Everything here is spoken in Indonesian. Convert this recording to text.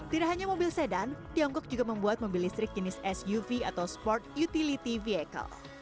tidak hanya mobil sedan tiongkok juga membuat mobil listrik jenis suv atau sport utility vehicle